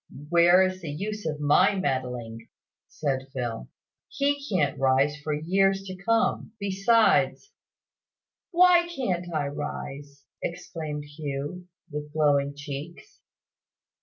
"Where is the use of my meddling?" said Phil. "He can't rise for years to come. Besides " "Why can't I rise?" exclaimed Hugh, with glowing cheeks.